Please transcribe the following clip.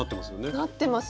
なってます。